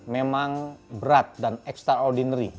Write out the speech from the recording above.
memang berat dan extraordinary